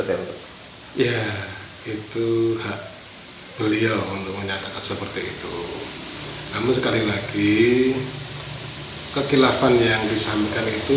ya itu hak beliau untuk menyatakan seperti itu namun sekali lagi kekilapan yang disampaikan itu